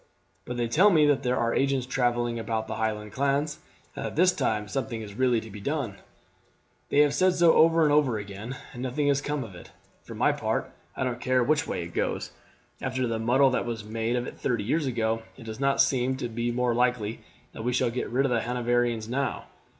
"But they tell me that there are agents travelling about among the Highland clans, and that this time something is really to be done." "They have said so over and over again, and nothing has come of it. For my part, I don't care which way it goes. After the muddle that was made of it thirty years ago it does not seem to me more likely that we shall get rid of the Hanoverians now.